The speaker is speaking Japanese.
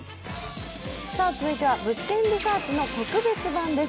続いては「物件リサーチ」の特別版です。